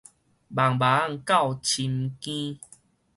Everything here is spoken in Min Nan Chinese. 茫茫到深更